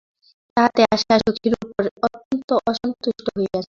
তাহাতে আশা সখীর উপর অত্যন্ত অসন্তুষ্ট হইয়াছিল।